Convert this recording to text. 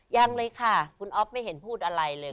ยังเลยค่ะคุณอ๊อฟไม่เห็นพูดอะไรเลย